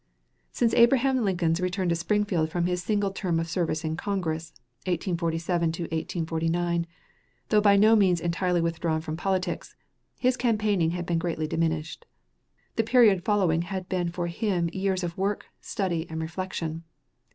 Since Abraham Lincoln's return to Springfield from his single term of service in Congress, 1847 to 1849, though by no means entirely withdrawn from politics, his campaigning had been greatly diminished. The period following had for him been years of work, study, and reflection.